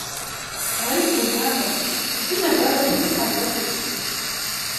غريب هذا ، لكن الباب فتح لوحده.